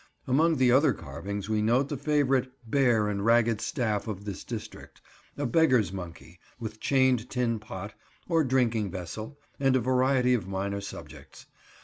Among the other carvings we note the favourite Bear and Ragged Staff of this district; a beggar's monkey, with chained tin pot, or drinking vessel, and a variety of minor subjects.